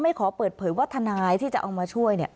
ขอเปิดเผยว่าทนายที่จะเอามาช่วย